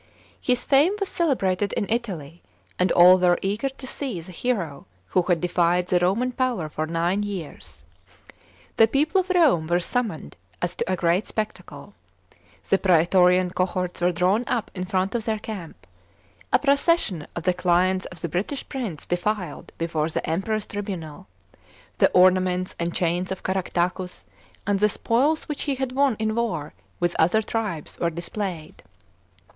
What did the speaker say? His fame was celebrated in Italy, and all were eager to see the hero who had defied the Roman power for nine years. The people of Rome were summoned as to a great spectacle; the pratorian cohorts were drawn up in front of their camp. A procession of the clients of the British prince defiled before the Emperor's tribunal; the ornaments and chains of Caractacus and the spoil* which he had won in war with other tribes were displayed.